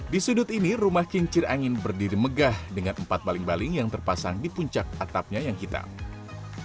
di sudut ini rumah kincir angin berdiri megah dengan empat baling baling yang terpasang di puncak atapnya yang hitam